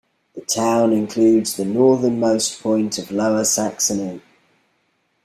The town includes the northernmost point of Lower Saxony.